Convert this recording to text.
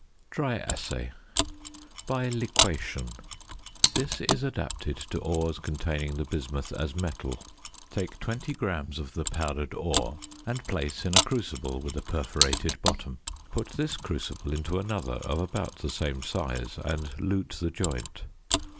DRY ASSAY. ~By Liquation.~ This is adapted to ores containing the bismuth as metal. Take 20 grams of the powdered ore and place in a crucible with a perforated bottom, put this crucible into another of about the same size and lute the joint.